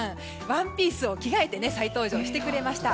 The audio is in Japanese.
ワンピースを着替えて再登場してくれました。